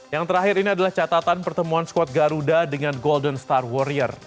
yang terakhir ini adalah catatan pertemuan squad garuda dengan golden star warrior